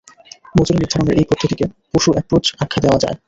মজুরি নির্ধারণের এই পদ্ধতিকে পশু অ্যাপ্রোচ আখ্যা দেওয়া যায়।